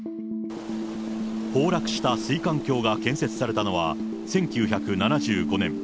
崩落した水管橋が建設されたのは、１９７５年。